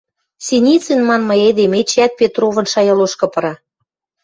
Синицин манмы эдем эчеӓт Петровын шая лошкы пыра: